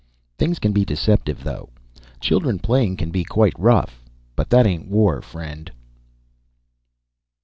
Things can be deceptive though; children playing can be quite rough but that ain't war, friend!